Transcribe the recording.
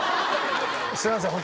すいません